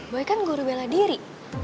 gue kan guru bela diri